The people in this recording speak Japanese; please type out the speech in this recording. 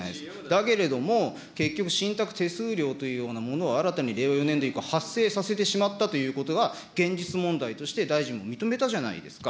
だけれども、結局、信託手数料というようなものを新たに令和４年度以降、発生させてしまったということが、現実問題として大臣も認めたじゃないですか。